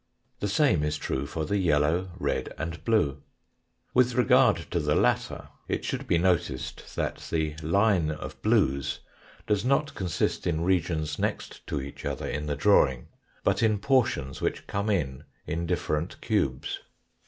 The same is true for the yellow, red, and blue. With regard to the latter it should be noticed that the line of blues does not consist in regions next to each other in the drawing, but in portions which come in in different cubes.